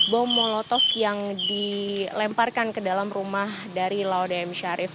bom molotov yang dilemparkan ke dalam rumah dari laude m syarif